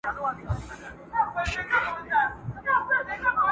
او د چڼچڼو شورماشور کي به د زرکو آواز!